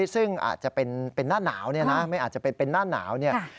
ซึ่งอาจจะเป็นหน้าหนาวไม่อาจจะเป็นหน้าหนาว